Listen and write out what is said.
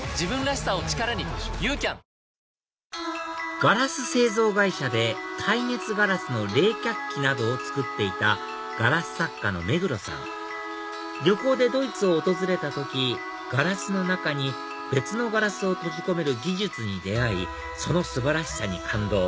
ガラス製造会社で耐熱ガラスの冷却器などを作っていたガラス作家の目黒さん旅行でドイツを訪れた時ガラスの中に別のガラスを閉じ込める技術に出会いその素晴らしさに感動